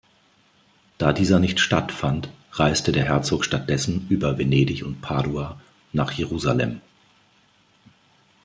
Da dieser nicht stattfand, reiste der Herzog stattdessen über Venedig und Padua nach Jerusalem.